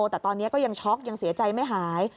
แต่ตอนนี้ก็ยังช็อกยังเสียใจไม่หาย